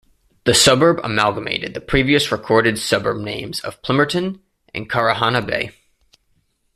The suburb amalgamated the previous recorded suburb names of Plimmerton and Karehana Bay.